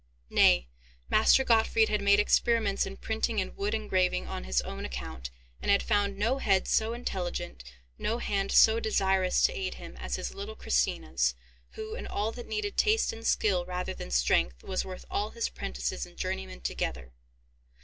Nay, Master Gottfried had made experiments in printing and wood engraving on his own account, and had found no head so intelligent, no hand so desirous to aid him, as his little Christina's, who, in all that needed taste and skill rather than strength, was worth all his prentices and journeymen together.